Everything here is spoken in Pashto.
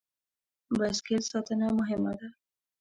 بایسکل ساتنه مهمه ده.